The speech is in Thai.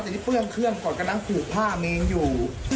แต่ที่เปลืองเครื่องก่อนกำลังผูกผ้าเม้งอยู่